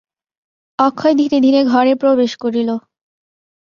অক্ষয় ধীরে ধীরে ঘরে প্রবেশ করিল।